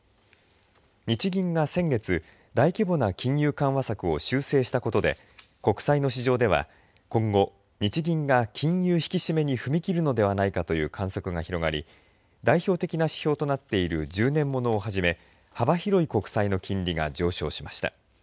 日銀が先月大規模な金融緩和策を修正したことで国債の市場では今後日銀が今後、金融引き締めに踏み切るのではないかという観測が広がり代表的な指標となっている１０年ものをはじめ幅広い国債の金利が上昇しました。